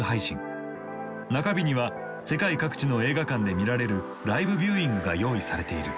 中日には世界各地の映画館で見られるライブビューイングが用意されている。